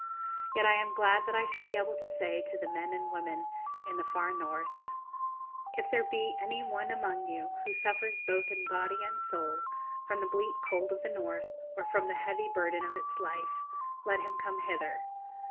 Yet am I glad that I shall be able to say to the men and women in the far North, 'If there be any one among you who suffers both in body and soul from the bleak cold of the North, or from the heavy burden of its life, let him come hither.